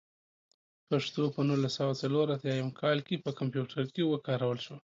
پښتو په نولس سوه څلور اتيايم کال کې په کمپيوټر کې وکارول شوه.